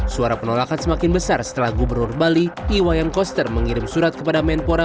suara penolakan semakin besar setelah gubernur bali iwayan koster mengirim surat kepada menpora